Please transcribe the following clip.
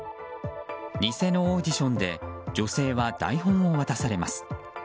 偽のオーディションで女性は台本を渡されます。